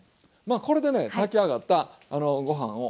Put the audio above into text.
これでね炊き上がったご飯を。